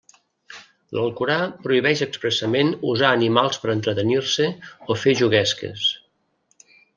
L'Alcorà prohibeix expressament usar animals per entretenir-se o fer juguesques.